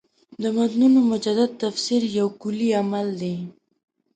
د متنونو مجدد تفسیر یو کُلي عمل دی.